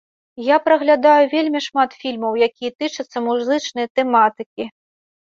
Я праглядаю вельмі шмат фільмаў, якія тычацца музычнай тэматыкі.